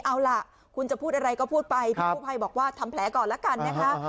เอาล่ะคุณจะพูดอะไรก็พูดไปพี่กู้ภัยบอกว่าทำแผลก่อนแล้วกันนะคะ